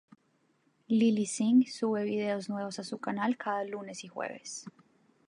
Lilly Singh sube vídeos nuevos a su canal cada lunes y jueves.